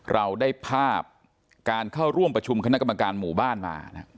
เราได้ภาพการเข้าร่วมประชุมคณะกรรมการหมู่บ้านมา